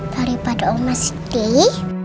daripada omah sedih